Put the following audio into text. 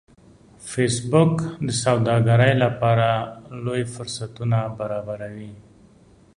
فېسبوک د سوداګرۍ لپاره لوی فرصتونه برابروي